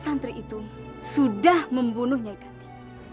santri itu sudah membunuh nyikanti